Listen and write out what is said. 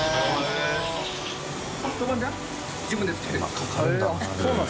手間かかるんだな。